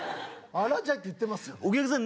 あらじゃいって言ってますよね？